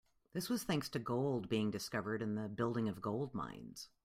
This was thanks to gold being discovered and the building of gold mines.